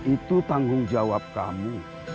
itu tanggung jawab kamu